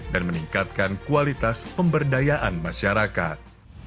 dan meningkatkan kualitas pemberdayaan masyarakat